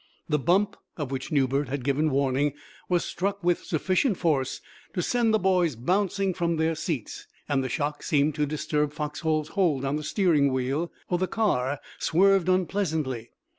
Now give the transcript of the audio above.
The "bump" of which Newbert had given warning was struck with sufficient force to send the boys bouncing from their seats, and the shock seemed to disturb Foxhall's hold on the steering wheel, for the car swerved unpleasantly.